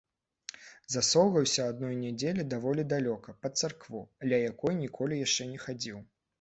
Засоўгаўся адной нядзелі даволі далёка, пад царкву, ля якой ніколі яшчэ не хадзіў.